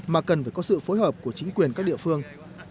mà cần phải có sự phối hợp của chính quyền các địa phương